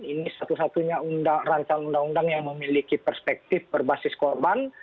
ini satu satunya rancangan undang undang yang memiliki perspektif berbasis korban